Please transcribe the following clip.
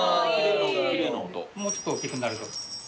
もうちょっと大きくなると。